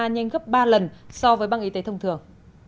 nhanh gấp ba lần so với băng y tế thông thường